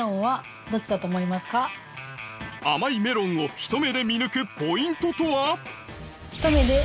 甘いメロンをひと目で見抜くポイントとは？